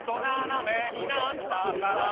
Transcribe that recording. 斜めになったから。